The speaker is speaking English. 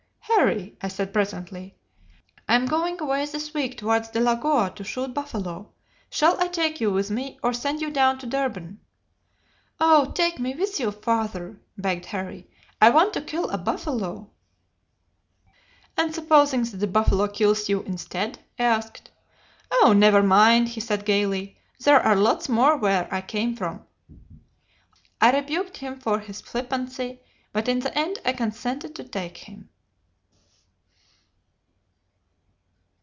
"'Harry,' I said presently, 'I am going away this week towards Delagoa to shoot buffalo. Shall I take you with me, or send you down to Durban?' "'Oh, take me with you, father!' begged Harry, 'I want to kill a buffalo!' "'And supposing that the buffalo kills you instead?' I asked. "'Oh, never mind,' he said, gaily, 'there are lots more where I came from.' "I rebuked him for his flippancy, but in the end I consented to take him."